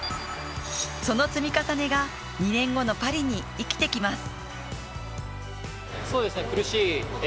その積み重ねが、２年後のパリに生きてきます。